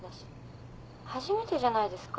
初めてじゃないですか？